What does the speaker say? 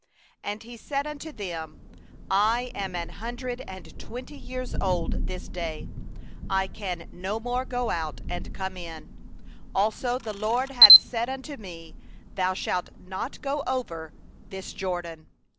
2And he said unto them: 'I am a hundred and twenty years old this day; I can no more go out and come in; and the LORD hath said unto me: Thou shalt not go over this Jordan.